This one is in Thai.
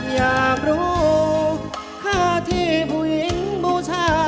อยากรู้ข้อที่ผู้หญิงบูชา